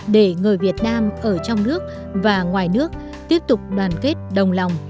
để người việt nam ở trong nước và ngoài nước tiếp tục đoàn kết đồng lòng